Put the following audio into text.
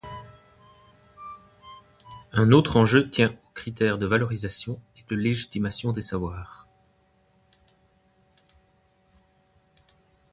Un autre enjeu tient aux critères de valorisation et de légitimation des savoirs.